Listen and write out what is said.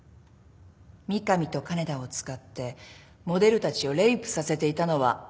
三上と金田を使ってモデルたちをレイプさせていたのはあなたね。